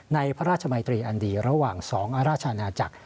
ในพระราชมัยตรีอันดีระหว่าง๒อราชอาณาจักร